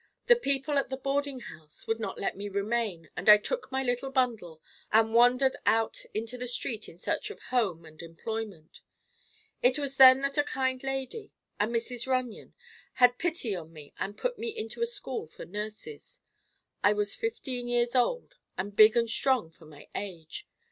The people at the boarding house would not let me remain and I took my little bundle and wandered out into the street in search of home and employment. It was then that a kind lady, a Mrs. Runyon, had pity on me and put me into a school for nurses. I was fifteen years old and big and strong for my age.